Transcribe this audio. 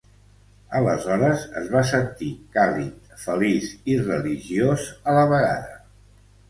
Aleshores es va sentir càlid, feliç i religiós a la vegada.